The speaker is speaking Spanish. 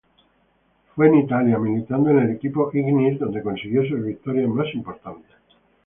Fue en Italia, militando en el equipo Ignis, donde consiguió sus victorias más importantes.